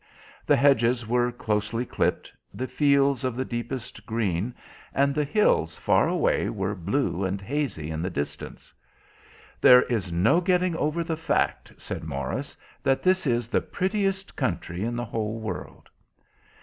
The hedges were closely clipped, the fields of the deepest green, and the hills far away were blue and hazy in the distance. "There is no getting over the fact," said Morris, "that this is the prettiest country in the whole world."